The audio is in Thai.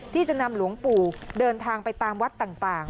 ที่จะนำหลวงปู่เดินทางไปตามวัดต่าง